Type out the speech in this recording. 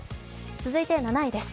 続いて７位です。